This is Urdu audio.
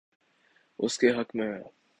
اس کے حق میں ہے۔